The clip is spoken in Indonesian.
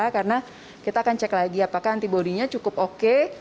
karena kita akan cek lagi apakah antibodinya cukup oke